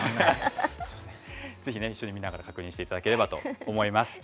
ぜひ一緒に見ながら確認していただければと思います。